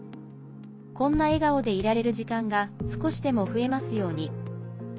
こんな笑顔でいられる時間が少しでも増えますように。